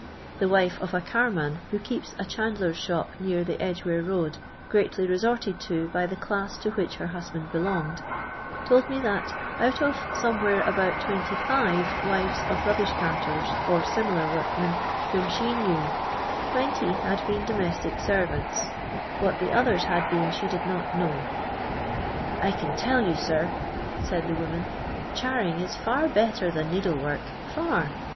The wife of a carman who keeps a chandler's shop near the Edge ware road, greatly retorted to by the class to which her husband belonged, told me that out of somewhere about 25 wives of rubbish carters or similar workmen, whom she knew, 20 had been domestic servants ; what the others had been she did not know. '* I can tell you, sir," said the woman, "charing is iar better than needle work ; far.